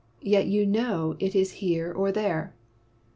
Yet you know it is here or there."